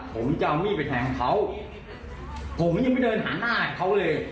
ผมจะเอามีดไปแทงเขาผมยังไม่เดินหาหน้าเขาเลย